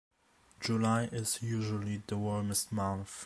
July is usually the warmest month.